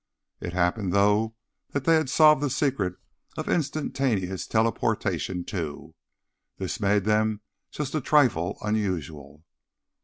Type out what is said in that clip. It happened, though, that they had solved the secret of instantaneous teleportation, too. This made them just a trifle unusual.